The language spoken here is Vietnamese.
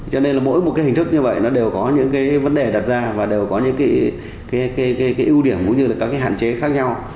cho nên mỗi hình thức như vậy đều có những vấn đề đặt ra và đều có những ưu điểm cũng như hạn chế khác nhau